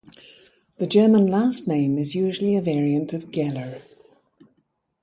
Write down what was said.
The German last name is usually a variant of "Geller".